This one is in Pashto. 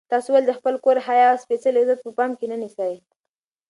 تاسو ولې د خپل کور حیا او سپېڅلی عزت په پام کې نه نیسئ؟